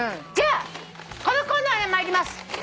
じゃあこのコーナーに参ります。